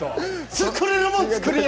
作れるもん作りや！